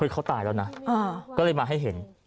เขาตายแล้วนะก็เลยมาให้เห็น